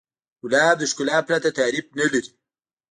ګلاب د ښکلا پرته تعریف نه لري.